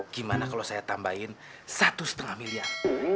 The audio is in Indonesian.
gimana kalau saya tambahin satu lima miliar